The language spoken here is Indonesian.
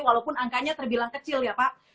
walaupun angkanya terbilang kecil ya pak